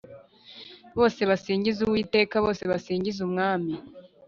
bose basingize uwiteka bose basingize umwami